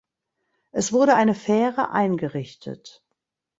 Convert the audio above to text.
Es wurde eine Fähre eingerichtet.